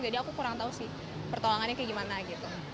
jadi aku kurang tahu sih pertolongannya kayak gimana gitu